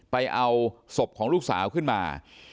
ไปเอาศพของลูกสาวขึ้นมา